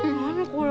これ。